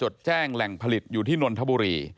โดยคโน้นทบุรี